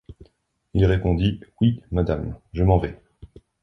Il répondit: — Oui, madame, je m’en vais.